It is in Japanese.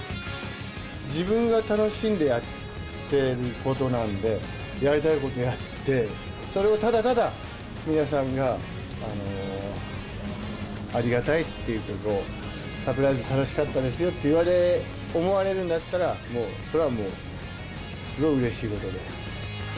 自分が楽しんでやってることなんで、やりたいことやって、それをただただ皆さんが、ありがたいっていうこと、サプライズ楽しかったですよって思われるんだったら、もうそれはもう、すごいうれしいことで。